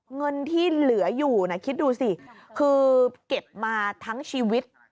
เงินที่เหลืออยู่คิดดูสิคือเก็บมาทั้งชีวิต